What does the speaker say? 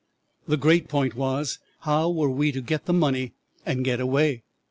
The great point was, how we were to get the money and get away.